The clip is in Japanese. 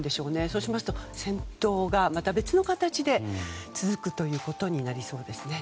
そうしますと戦闘がまた別の形で続くということになりそうですね。